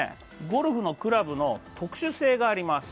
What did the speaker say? ゴルフのクラブの特殊性があります。